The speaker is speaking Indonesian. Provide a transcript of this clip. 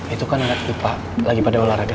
itu kan anak itu pak lagi pada olahraga